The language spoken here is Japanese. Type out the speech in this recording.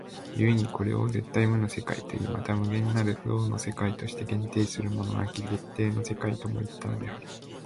故にこれを絶対無の世界といい、また無限なる動の世界として限定するものなき限定の世界ともいったのである。